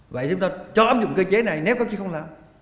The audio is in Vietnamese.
vậy chúng ta cho áp dụng cơ chế này nếu các chứ không làm